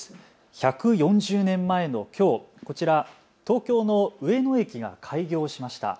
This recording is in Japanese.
１４０年前のきょう、こちら、東京の上野駅が開業しました。